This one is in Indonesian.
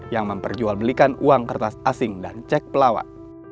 yang memperjualbelikan uang kertas asing dan cek pelawat